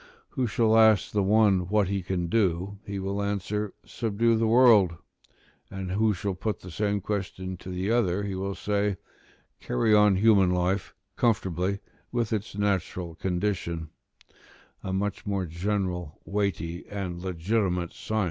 Who shall ask the one what he can do, he will answer, "Subdue the world": and who shall put the same question to the other, he will say, "Carry on human life conformably with its natural condition"; a much more general, weighty, and legitimate science than the other.